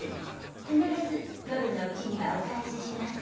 必ず夜のうちにはお帰ししますから。